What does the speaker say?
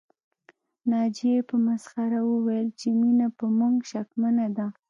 ناجيې په مسخره وويل چې مينه په موږ شکمنه ده